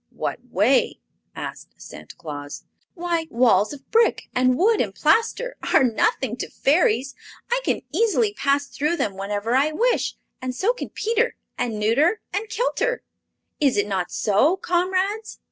"What way?" asked Santa Claus. "Why, walls of brick and wood and plaster are nothing to Fairies. I can easily pass through them whenever I wish, and so can Peter and Nuter and Kilter. Is it not so, comrades?"